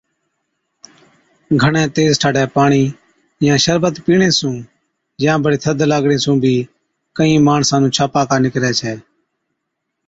گھڻَي تيز ٺاڍَي پاڻِي يان بشربت پِيڻي سُون يان بڙي ٿڌ لاگڻي سُون بِي ڪهِين ماڻسان نُون ڇاپاڪا نِڪرَي ڇَي۔